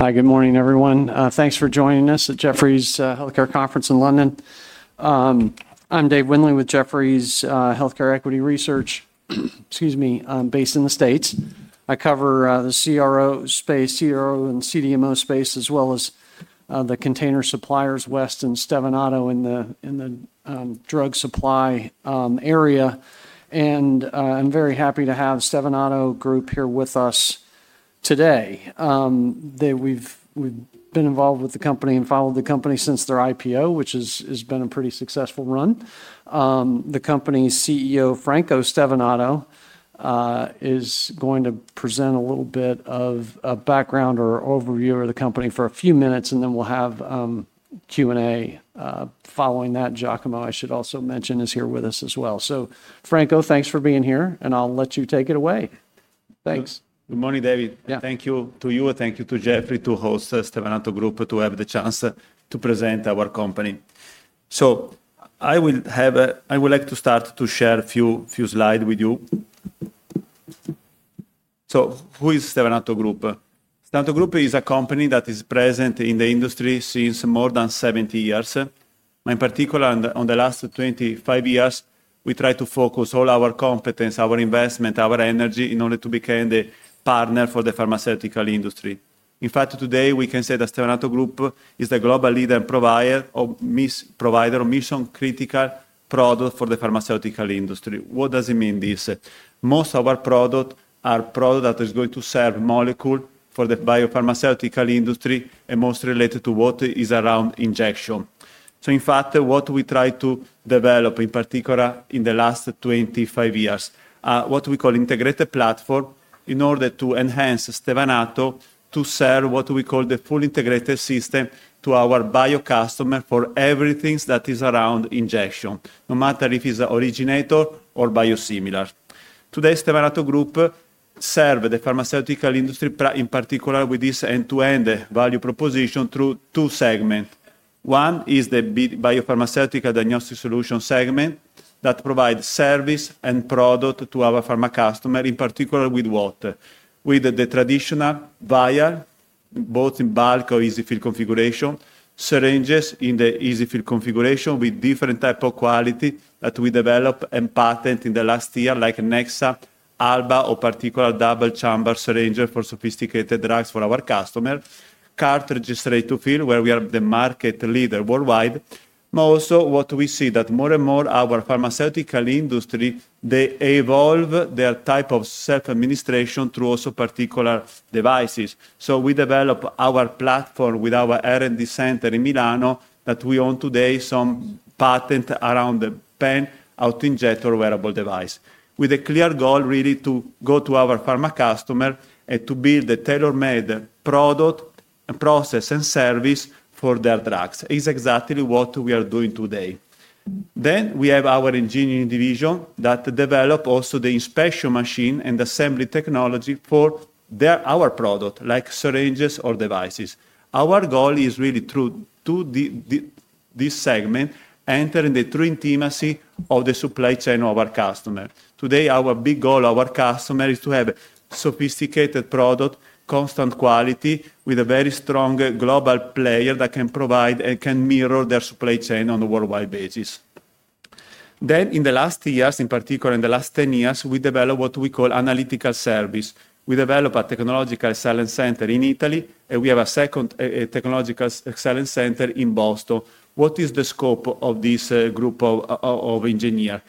Hi, good morning, everyone. Thanks for joining us at Jefferies Healthcare Conference in London. I'm Dave Windley with Jefferies Healthcare Equity Research, excuse me, based in the States. I cover the CRO space, CRO and CDMO space, as well as the container suppliers, West and Stevanato, in the drug supply area. I'm very happy to have Stevanato Group here with us today. We've been involved with the company and followed the company since their IPO, which has been a pretty successful run. The company's CEO, Franco Stevanato, is going to present a little bit of a background or overview of the company for a few minutes, and then we'll have Q&A following that. Giacomo, I should also mention, is here with us as well. Franco, thanks for being here, and I'll let you take it away. Thanks. Good morning, David. Thank you to you, and thank you to Jefferies to host Stevanato Group, to have the chance to present our company. I would like to start to share a few slides with you. Who is Stevanato Group? Stevanato Group is a company that is present in the industry since more than 70 years. In particular, in the last 25 years, we try to focus all our competence, our investment, our energy in order to become the partner for the pharmaceutical industry. In fact, today we can say that Stevanato Group is the global leader provider of mission-critical products for the pharmaceutical industry. What does it mean, this? Most of our products are products that are going to serve molecules for the biopharmaceutical industry and most related to what is around injection. In fact, what we try to develop, in particular in the last 25 years, is what we call an integrated platform in order to enhance Stevanato to serve what we call the full integrated system to our bio customer for everything that is around injection, no matter if it's originator or biosimilar. Today, Stevanato Group serves the pharmaceutical industry, in particular with this end-to-end value proposition through two segments. One is the biopharmaceutical diagnostic solution segment that provides service and product to our pharma customer, in particular with what? With the traditional vial, both in bulk or easy fill configuration, syringes in the easy fill configuration with different types of quality that we developed and patented in the last year, like Nexa, Alba, or particular double chamber syringes for sophisticated drugs for our customer, cartridge-ready to fill, where we are the market leader worldwide. What we see is that more and more of our pharmaceutical industry, they evolve their type of self-administration through also particular devices. We developed our platform with our R&D center in Milano that we own today, some patent around the pen auto-injector wearable device, with a clear goal really to go to our pharma customer and to build a tailor-made product and process and service for their drugs. It's exactly what we are doing today. We have our engineering division that developed also the inspection machine and assembly technology for our product, like syringes or devices. Our goal is really through this segment, entering the true intimacy of the supply chain of our customer. Today, our big goal, our customer, is to have sophisticated product, constant quality with a very strong global player that can provide and can mirror their supply chain on a worldwide basis. In the last years, in particular in the last 10 years, we developed what we call analytical service. We developed a technological excellence center in Italy, and we have a second technological excellence center in Boston. What is the scope of this group of engineers?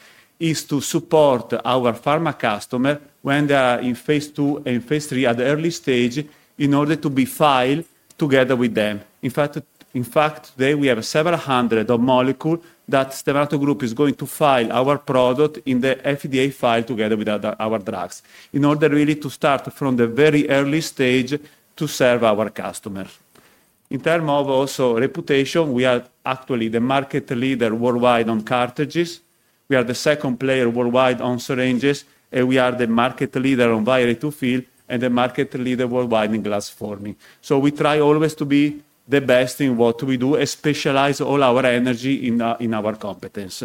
It's to support our pharma customer when they are in phase II and phase III at the early stage in order to be filed together with them. In fact, today we have several hundred of molecules that Stevanato Group is going to file our product in the FDA file together with our drugs in order really to start from the very early stage to serve our customers. In terms of also reputation, we are actually the market leader worldwide on cartridges. We are the second player worldwide on syringes, and we are the market leader on vial to fill and the market leader worldwide in glass forming. We try always to be the best in what we do and specialize all our energy in our competence.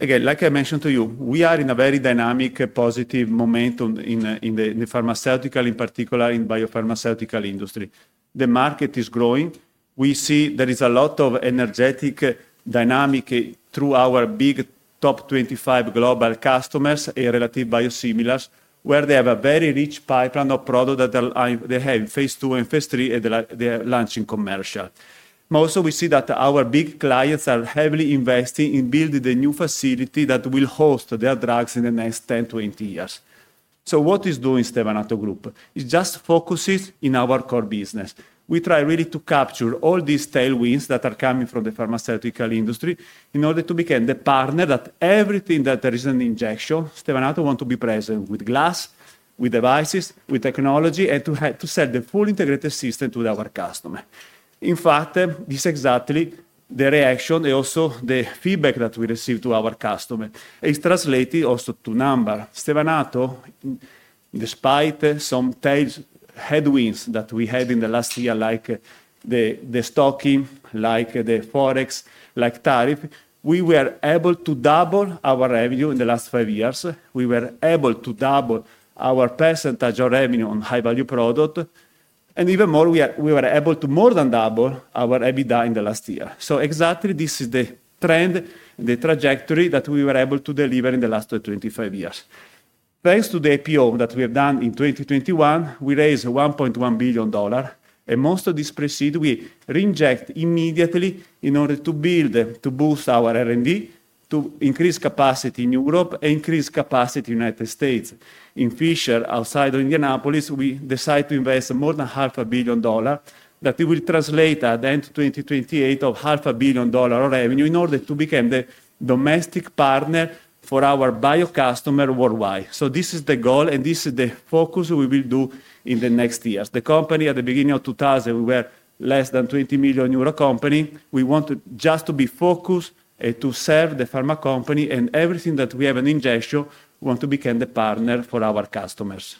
Again, like I mentioned to you, we are in a very dynamic, positive momentum in the pharmaceutical, in particular in the biopharmaceutical industry. The market is growing. We see there is a lot of energetic dynamic through our big top 25 global customers and relative biosimilars, where they have a very rich pipeline of product that they have in phase II and phase III and they are launching commercial. Most of we see that our big clients are heavily investing in building the new facility that will host their drugs in the next 10-20 years. What is doing Stevanato Group? It just focuses on our core business. We try really to capture all these tailwinds that are coming from the pharmaceutical industry in order to become the partner that everything that there is an injection, Stevanato wants to be present with glass, with devices, with technology, and to sell the full integrated system to our customer. In fact, this is exactly the reaction and also the feedback that we receive from our customer. It's translated also to number. Stevanato, despite some tail headwinds that we had in the last year, like the stocking, like the forex, like tariff, we were able to double our revenue in the last five years. We were able to double our percentage of revenue on high-value product. And even more, we were able to more than double our EBITDA in the last year. Exactly this is the trend, the trajectory that we were able to deliver in the last 25 years. Thanks to the IPO that we have done in 2021, we raised $1.1 billion, and most of this proceed we re-inject immediately in order to build, to boost our R&D, to increase capacity in Europe and increase capacity in the United States. In Fisher, outside of Indianapolis, we decided to invest more than $0.5 billion that we will translate at the end of 2028 to $0.5 billion of revenue in order to become the domestic partner for our bio customer worldwide. This is the goal, and this is the focus we will do in the next years. The company at the beginning of 2000, we were less than 20 million euro company. We want just to be focused and to serve the pharma company and everything that we have an injection, we want to become the partner for our customers.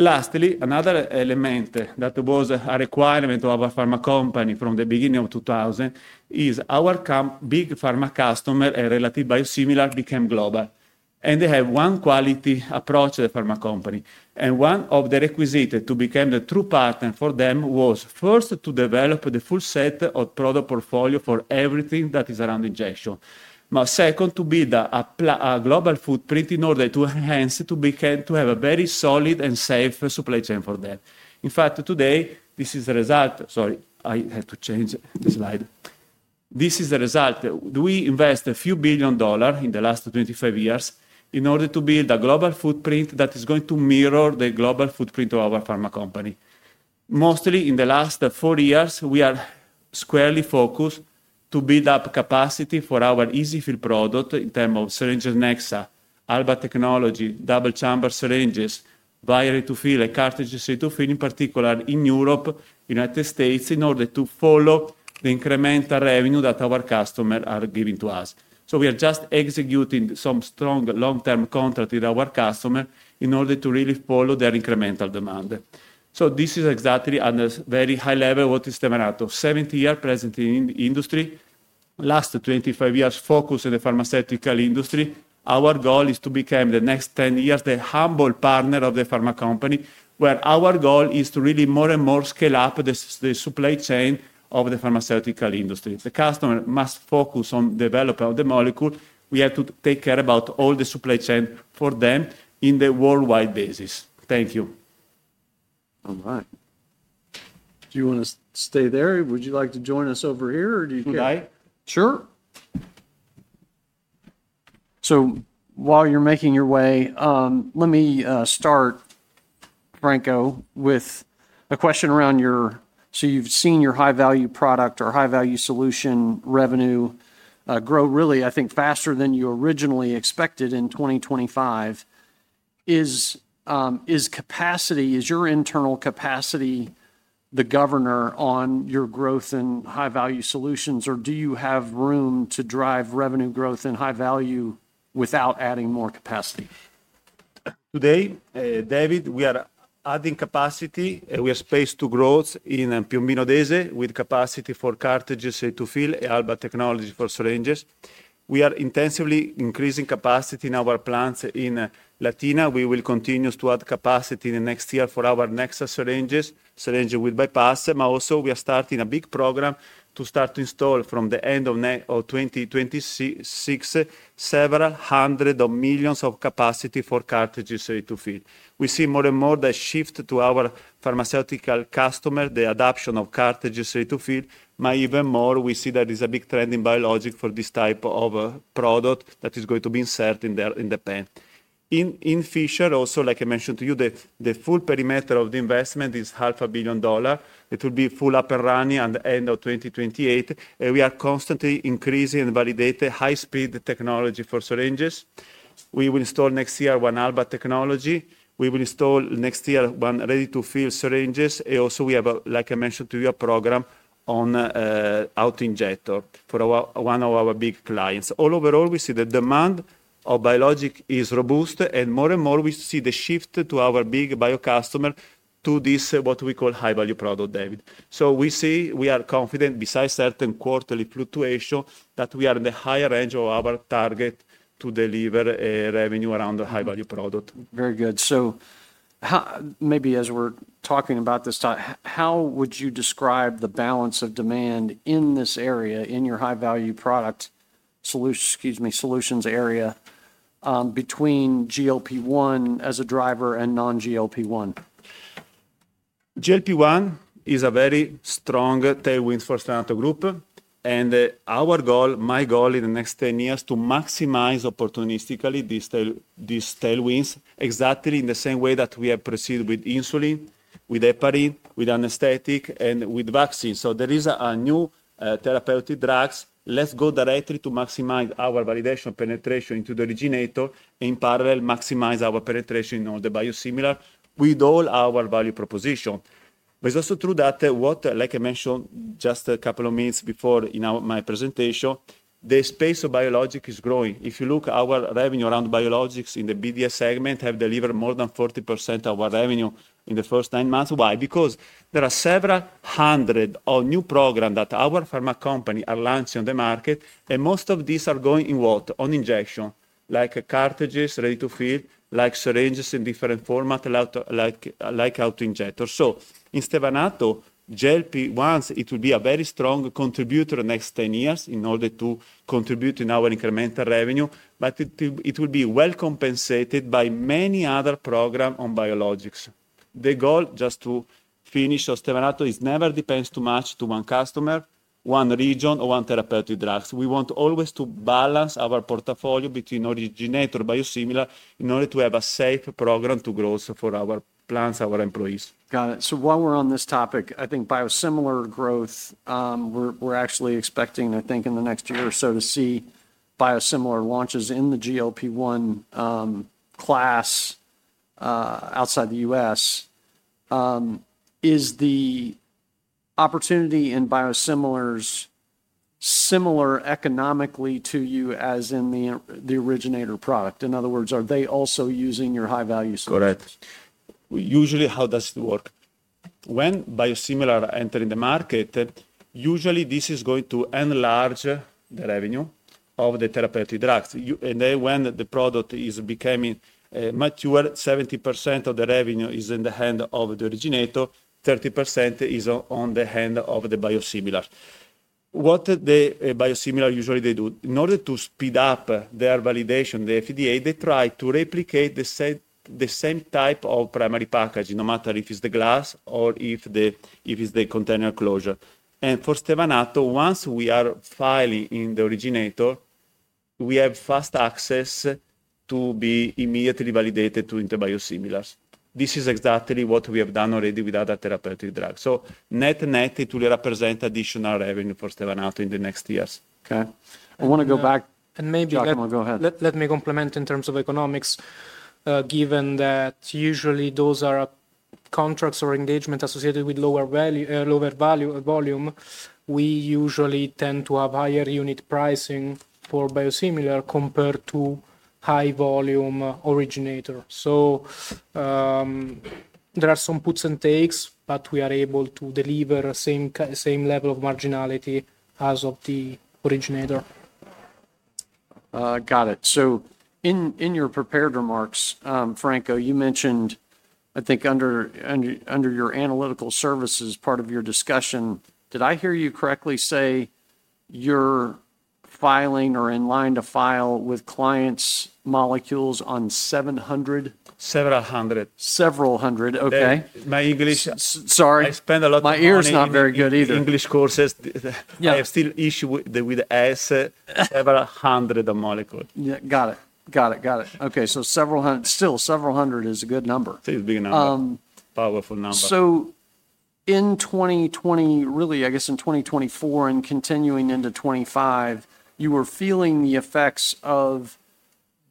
Lastly, another element that was a requirement of our pharma company from the beginning of 2000 is our big pharma customer and relative biosimilar became global. They have one quality approach to the pharma company. One of the requisites to become the true partner for them was first to develop the full set of product portfolio for everything that is around injection, but second to build a global footprint in order to enhance, to have a very solid and safe supply chain for them. In fact, today, this is the result. Sorry, I had to change the slide. This is the result. We invested a few billion dollars in the last 25 years in order to build a global footprint that is going to mirror the global footprint of our pharma company. Mostly in the last four years, we are squarely focused to build up capacity for our EZ-fill product in terms of syringes, Nexa, Alba technology, double chamber syringes, vial to fill, and cartridge-ready to fill, in particular in Europe, United States, in order to follow the incremental revenue that our customers are giving to us. We are just executing some strong long-term contract with our customer in order to really follow their incremental demand. This is exactly at a very high level what is Stevanato, 70 years present in the industry, last 25 years focused on the pharmaceutical industry. Our goal is to become in the next 10 years the humble partner of the pharma company, where our goal is to really more and more scale up the supply chain of the pharmaceutical industry. The customer must focus on the development of the molecule. We have to take care about all the supply chain for them on a worldwide basis. Thank you. All right. Do you want to stay there? Would you like to join us over here, or do you care? Sure. While you're making your way, let me start, Franco, with a question around your, so you've seen your high-value product or high-value solution revenue grow really, I think, faster than you originally expected in 2025. Is capacity, is your internal capacity the governor on your growth in high-value solutions, or do you have room to drive revenue growth in high-value without adding more capacity? Today, David, we are adding capacity. We have space to grow in Piombino Dese with capacity for cartridges to fill and Alba technology for syringes. We are intensively increasing capacity in our plants in Latina. We will continue to add capacity in the next year for our Nexa syringes, syringe with bypass. We are starting a big program to start to install from the end of 2026, several hundred million of capacity for cartridges to fill. We see more and more the shift to our pharmaceutical customer, the adoption of cartridges to fill. Even more, we see there is a big trend in biologic for this type of product that is going to be inserted in the pen. In Fisher, also, like I mentioned to you, the full perimeter of the investment is $0.5 billion. It will be full up and running at the end of 2028. We are constantly increasing and validating high-speed technology for syringes. We will install next year one Alba Technology. We will install next year one ready-to-fill syringes. Also, we have, like I mentioned to you, a program on auto-injector for one of our big clients. Overall, we see the demand of biologic is robust, and more and more we see the shift to our big bio customer to this, what we call high-value product, David. We see, we are confident, besides certain quarterly fluctuation, that we are in the higher range of our target to deliver revenue around the high-value product. Very good. Maybe as we're talking about this, how would you describe the balance of demand in this area in your high-value product solutions area between GLP-1 as a driver and non-GLP-1? GLP-1 is a very strong tailwind for Stevanato Group. Our goal, my goal in the next 10 years is to maximize opportunistically these tailwinds exactly in the same way that we have proceeded with insulin, with heparin, with anesthetic, and with vaccine. There is a new therapeutic drug. Let's go directly to maximize our validation penetration into the originator and in parallel maximize our penetration in all the biosimilar with all our value proposition. It is also true that, like I mentioned just a couple of minutes before in my presentation, the space of biologic is growing. If you look, our revenue around biologics in the BDS segment has delivered more than 40% of our revenue in the first nine months. Why? Because there are several hundred new programs that our pharma company is launching on the market, and most of these are going in what? On injection, like cartridges ready to fill, like syringes in different formats, like auto-injectors. In Stevanato, GLP-1 will be a very strong contributor in the next 10 years in order to contribute to our incremental revenue, but it will be well compensated by many other programs on biologics. The goal just to finish on Stevanato is never depends too much on one customer, one region, or one therapeutic drug. We want always to balance our portfolio between originator, biosimilar in order to have a safe program to grow for our plants, our employees. Got it. While we're on this topic, I think biosimilar growth, we're actually expecting, I think, in the next year or so to see biosimilar launches in the GLP-1 class outside the U.S. Is the opportunity in biosimilars similar economically to you as in the originator product? In other words, are they also using your high-value solution? Correct. Usually, how does it work? When biosimilar enters the market, usually this is going to enlarge the revenue of the therapeutic drugs. When the product is becoming mature, 70% of the revenue is in the hand of the originator, 30% is on the hand of the biosimilar. What the biosimilar usually does in order to speed up their validation, the FDA, they try to replicate the same type of primary packaging, no matter if it's the glass or if it's the container closure. For Stevanato, once we are filing in the originator, we have fast access to be immediately validated into biosimilars. This is exactly what we have done already with other therapeutic drugs. Net-net it will represent additional revenue for Stevanato in the next years. Okay. I want to go back. And maybe. Go ahead. Let me complement in terms of economics, given that usually those are contracts or engagements associated with lower value volume. We usually tend to have higher unit pricing for biosimilar compared to high-volume originator. There are some puts and takes, but we are able to deliver the same level of marginality as of the originator. Got it. In your prepared remarks, Franco, you mentioned, I think under your analytical services part of your discussion, did I hear you correctly say you're filing or in line to file with clients' molecules on 700? Several hundred. Several hundred. Okay. My English. Sorry. I spend a lot of money. My ear is not very good either. English courses. I have still issue with the S, several hundred of molecules. Got it. Okay. So several hundred, still several hundred is a good number. Still a big number. Powerful number. In 2020, really, I guess in 2024 and continuing into 2025, you were feeling the effects of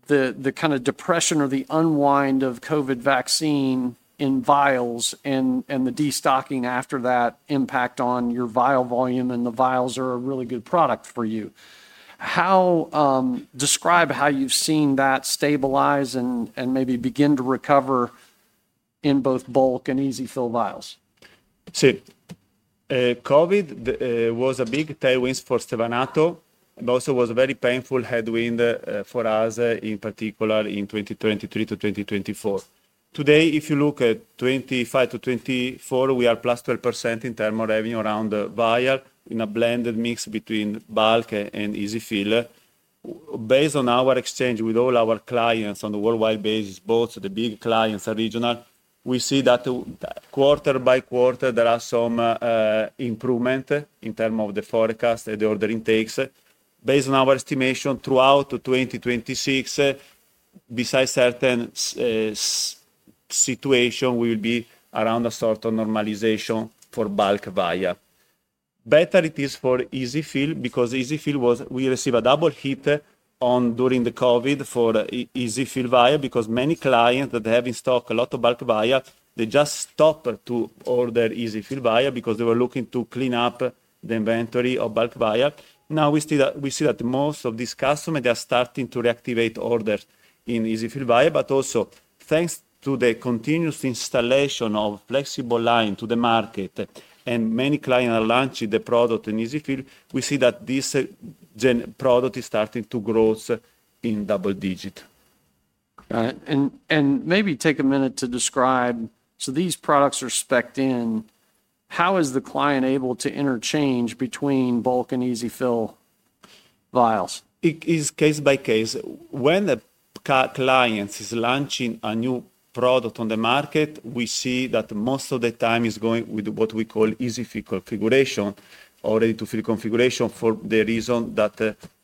the kind of depression or the unwind of COVID vaccine in vials and the destocking after that impact on your vial volume and the vials are a really good product for you. Describe how you've seen that stabilize and maybe begin to recover in both bulk and easy fill vials. See, COVID was a big tailwind for Stevanato, but also was a very painful headwind for us in particular in 2023 to 2024. Today, if you look at 2025 to 2024, we are +12% in terms of revenue around vial in a blended mix between bulk and easy fill. Based on our exchange with all our clients on a worldwide basis, both the big clients and regional, we see that quarter by quarter, there are some improvements in terms of the forecast and the order intakes. Based on our estimation throughout 2026, besides certain situations, we will be around a sort of normalization for bulk vial. Better it is for easy fill because easy fill was, we received a double hit during the COVID for easy fill vial because many clients that have in stock a lot of bulk vial, they just stopped to order easy fill vial because they were looking to clean up the inventory of bulk vial. Now we see that most of these customers, they are starting to reactivate orders in easy fill vial. Also thanks to the continuous installation of flexible line to the market and many clients are launching the product in easy fill, we see that this product is starting to grow in double digit. Got it. Maybe take a minute to describe, so these products are specced in. How is the client able to interchange between bulk and easy fill vials? It is case by case. When a client is launching a new product on the market, we see that most of the time it's going with what we call easy fill configuration, or ready-to-fill configuration for the reason that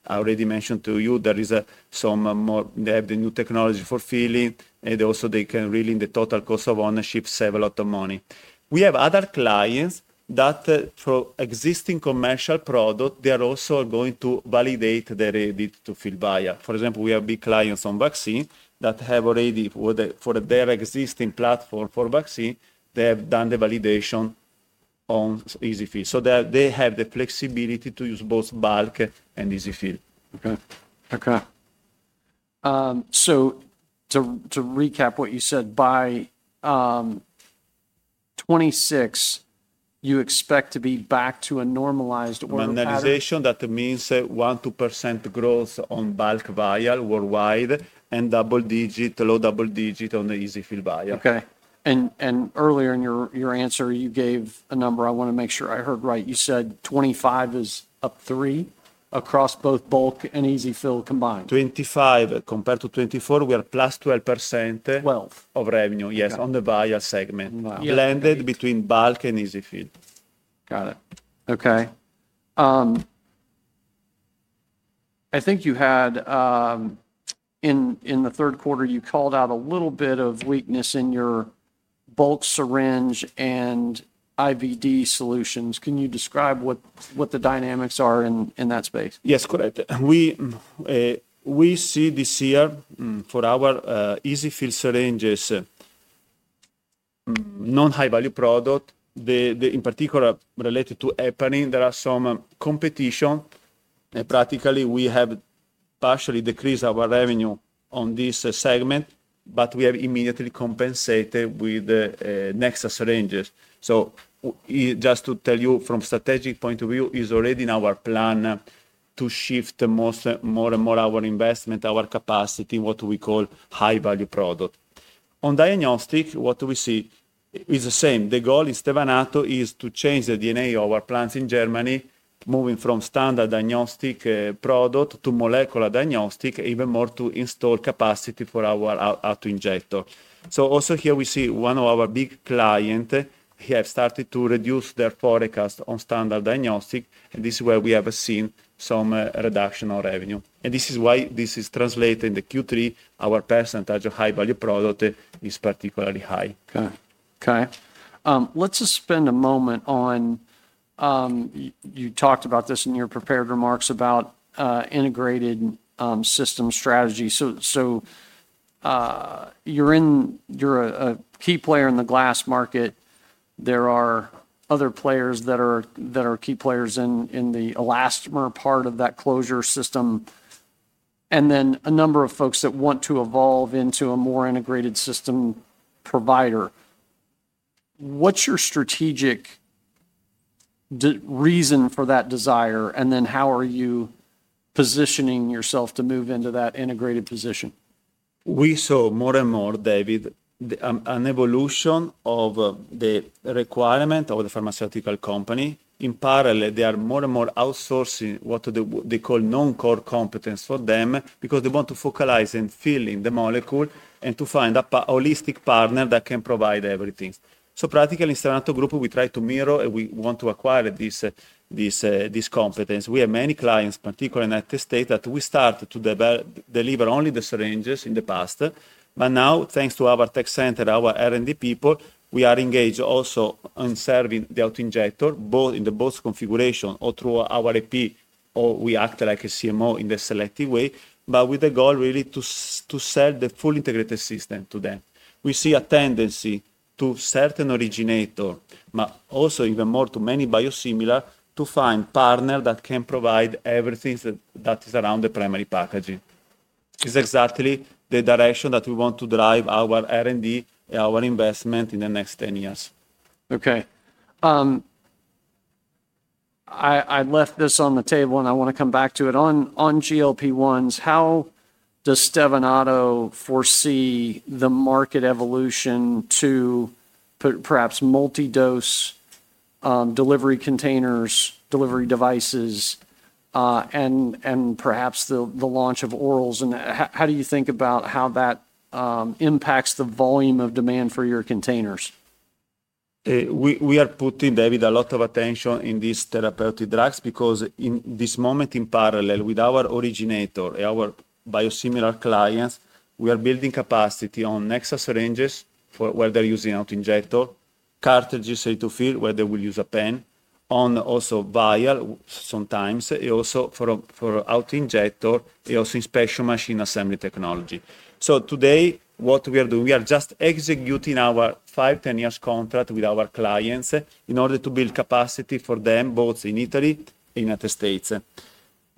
I already mentioned to you, there is some more, they have the new technology for filling, and also they can really in the total cost of ownership save a lot of money. We have other clients that for existing commercial product, they are also going to validate the ready-to-fill vial. For example, we have big clients on vaccine that have already for their existing platform for vaccine, they have done the validation on easy fill. They have the flexibility to use both bulk and easy fill. Okay. Okay. To recap what you said, by 2026, you expect to be back to a normalized order? Normalization, that means 1%-2% growth on bulk vial worldwide and double-digit, low double-digit on the easy fill vial. Okay. Earlier in your answer, you gave a number. I want to make sure I heard right. You said 2025 is up three across both bulk and easy fill combined. 2025 compared to 2024, we are +12%. 12%. Of revenue, yes, on the vial segment, blended between bulk and easy fill. Got it. Okay. I think you had in the third quarter, you called out a little bit of weakness in your bulk syringe and IVD solutions. Can you describe what the dynamics are in that space? Yes, correct. We see this year for our easy fill syringes, non-high-value product, in particular related to heparin, there are some competition. We have partially decreased our revenue on this segment, but we have immediately compensated with Nexa syringes. Just to tell you from a strategic point of view, it's already in our plan to shift more and more our investment, our capacity, what we call high-value product. On diagnostic, what we see is the same. The goal in Stevanato is to change the DNA of our plants in Germany, moving from standard diagnostic product to molecular diagnostic, even more to install capacity for our auto-injector. Here we see one of our big clients, he has started to reduce their forecast on standard diagnostic, and this is where we have seen some reduction in revenue. This is why this is translated in the Q3, our percentage of high-value product is particularly high. Okay. Okay. Let's just spend a moment on, you talked about this in your prepared remarks about integrated system strategy. So you're a key player in the glass market. There are other players that are key players in the elastomer part of that closure system. And then a number of folks that want to evolve into a more integrated system provider. What's your strategic reason for that desire? And then how are you positioning yourself to move into that integrated position? We saw more and more, David, an evolution of the requirement of the pharmaceutical company. In parallel, they are more and more outsourcing what they call non-core competence for them because they want to focalize and fill in the molecule and to find a holistic partner that can provide everything. Practically in Stevanato Group, we try to mirror and we want to acquire this competence. We have many clients, particularly in the United States, that we started to deliver only the syringes in the past. Now, thanks to our tech center, our R&D people, we are engaged also in serving the auto-injector both in the both configuration or through our AP or we act like a CMO in the selective way, but with the goal really to sell the full integrated system to them. We see a tendency to certain originator, but also even more to many biosimilar to find partners that can provide everything that is around the primary packaging. It's exactly the direction that we want to drive our R&D and our investment in the next 10 years. Okay. I left this on the table and I want to come back to it. On GLP-1s, how does Stevanato foresee the market evolution to perhaps multi-dose delivery containers, delivery devices, and perhaps the launch of orals? How do you think about how that impacts the volume of demand for your containers? We are putting, David, a lot of attention in these therapeutic drugs because in this moment, in parallel with our originator, our biosimilar clients, we are building capacity on Nexa syringes where they're using auto-injector, cartridges ready to fill where they will use a pen, on also vial sometimes, also for auto-injector, and also in special machine assembly technology. Today, what we are doing, we are just executing our five- to 10-year contracts with our clients in order to build capacity for them both in Italy and in the United States.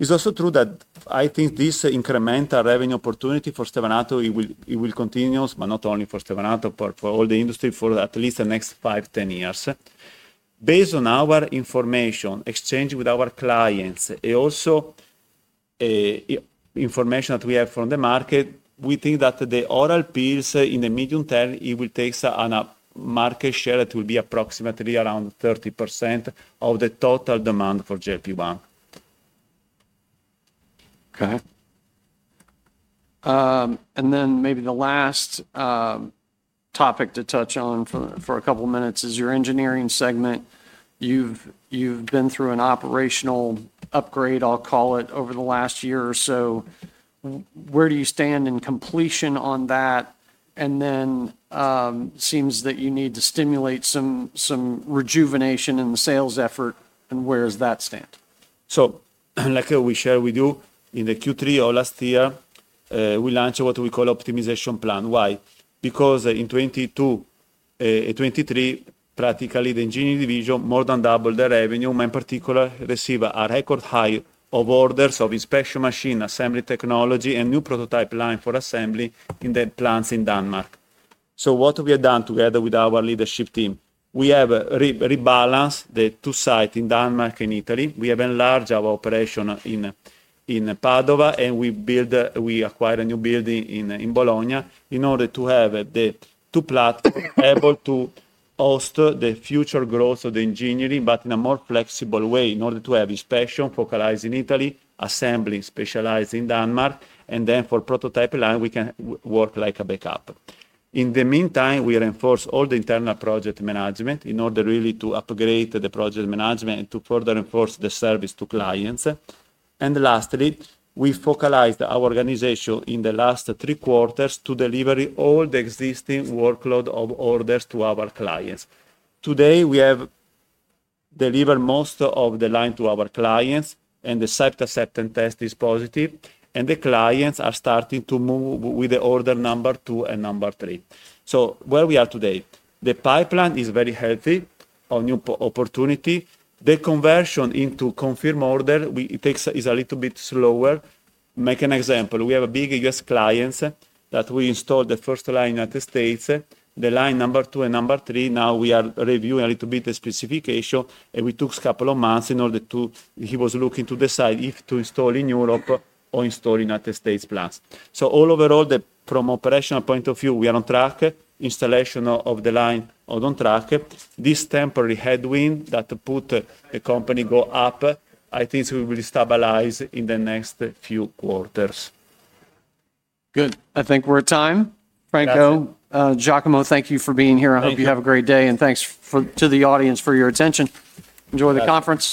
It's also true that I think this incremental revenue opportunity for Stevanato, it will continue, but not only for Stevanato, but for all the industry for at least the next five- to 10-year period. Based on our information, exchange with our clients, and also information that we have from the market, we think that the oral pills in the medium term, it will take a market share that will be approximately around 30% of the total demand for GLP-1. Okay. Maybe the last topic to touch on for a couple of minutes is your engineering segment. You've been through an operational upgrade, I'll call it, over the last year or so. Where do you stand in completion on that? It seems that you need to stimulate some rejuvenation in the sales effort. Where does that stand? Like we shared with you, in Q3 of last year, we launched what we call the optimization plan. Why? Because in 2022 and 2023, practically the engineering division more than doubled their revenue. In particular, received a record high of orders of inspection machine assembly technology and new prototype line for assembly in the plants in Denmark. What we have done together with our leadership team, we have rebalanced the two sites in Denmark and Italy. We have enlarged our operation in Padova, and we acquired a new building in Bologna in order to have the two platforms able to host the future growth of the engineering, but in a more flexible way in order to have inspection focalized in Italy, assembly specialized in Denmark, and then for prototype line, we can work like a backup. In the meantime, we reinforced all the internal project management in order really to upgrade the project management and to further enforce the service to clients. Lastly, we focalized our organization in the last three quarters to deliver all the existing workload of orders to our clients. Today, we have delivered most of the line to our clients, and the site acceptance test is positive, and the clients are starting to move with the order number two and number three. Where we are today, the pipeline is very healthy on new opportunity. The conversion into confirmed order is a little bit slower. Make an example. We have a big US client that we installed the first line in the United States, the line number two and number three. Now we are reviewing a little bit the specification, and we took a couple of months in order to, he was looking to decide if to install in Europe or install in the United States plants. All overall, from an operational point of view, we are on track, installation of the line on track. This temporary headwind that put the company go up, I think we will stabilize in the next few quarters. Good. I think we're at time. Franco, Giacomo, thank you for being here. I hope you have a great day. Thanks to the audience for your attention. Enjoy the conference.